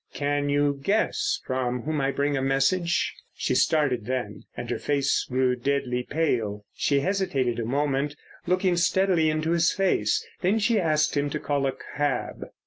"Can you guess from whom I bring a message?" She started then, and her face grew deadly pale. She hesitated a moment, looking steadily into his face. Then she asked him to call a cab.